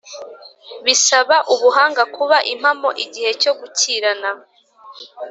bisaba ubuhanga kuba impamo, igihe cyo gukirana